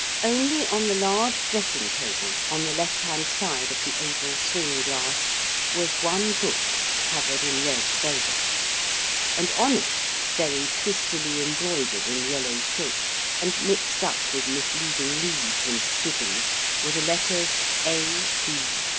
Only on the large dressing table, on the left hand side of the oval swing glass, was one book covered in red velvet, and on it, very twistily embroidered in yellow silk and mixed up with misleading leaves and squiggles were the letters, A.